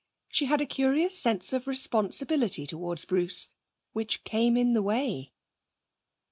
She had a curious sense of responsibility towards Bruce, which came in the way.